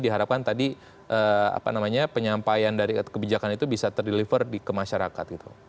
diharapkan tadi apa namanya penyampaian dari kebijakan itu bisa terdeliver ke masyarakat